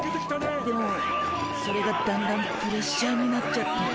でもそれがだんだんプレッシャーになっちゃって。